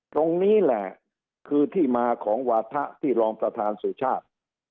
ตรงนี้แหละคือที่มาของวาถะที่รองสะทานเศรษฐ์